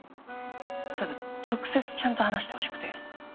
ただ直接ちゃんと話してほしくて。